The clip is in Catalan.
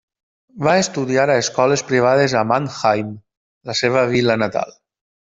Va estudiar a escoles privades a Mannheim, la seva vila natal.